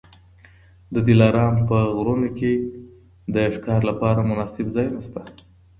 د دلارام په غرونو کي د ښکار لپاره مناسب ځایونه سته.